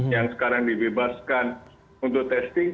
yang sekarang dibebaskan untuk testing